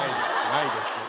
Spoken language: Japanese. ないです。